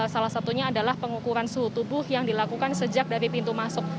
salah satunya adalah pengukuran suhu tubuh yang dilakukan sejak dari pintu masuk